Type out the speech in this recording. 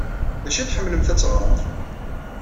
D acu ay tḥemmlemt ad teɣremt?